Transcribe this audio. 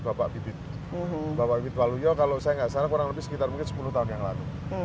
bapak bibit bapak bit waluyo kalau saya nggak salah kurang lebih sekitar mungkin sepuluh tahun yang lalu